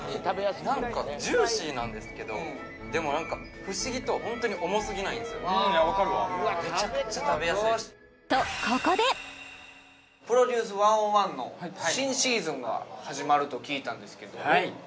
何かジューシーなんですけどでも何か不思議とホントに重すぎないんですよね・分かるわめちゃくちゃ食べやすいとここで「ＰＲＯＤＵＣＥ１０１」の新シーズンが始まると聞いたんですけど